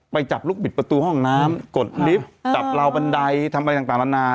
จับลูกบิดประตูห้องน้ำกดลิฟต์จับราวบันไดทำอะไรต่างนานา